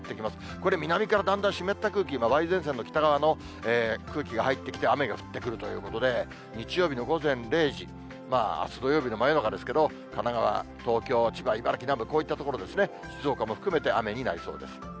これ、南からだんだん湿った空気、梅雨前線の北側の空気が入ってきて、雨が降ってくるということで、日曜日の午前０時、あす土曜日の真夜中ですけれども、神奈川、東京、千葉、茨城など、こういった所ですね、静岡も含めて雨になりそうです。